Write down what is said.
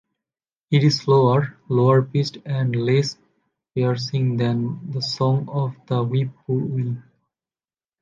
It is slower, lower-pitched and less piercing than the song of the whip-poor-will.